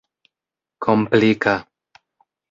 komplika